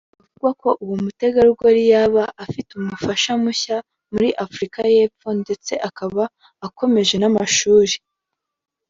Biravugwa ko uwo mutegarugori yaba afite umufasha mushya muri Afurika y’Efpo ndetse akaba akomeje n’amashuri